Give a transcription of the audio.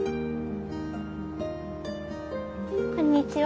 こんにちは。